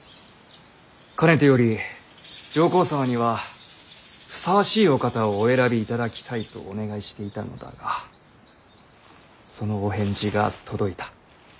かねてより上皇様にはふさわしいお方をお選びいただきたいとお願いしていたのだがそのお返事が届いた。